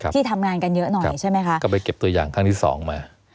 ที่ทำงานกันเยอะหน่อยใช่ไหมคะก็ไปเก็บตัวอย่างครั้งที่สองมา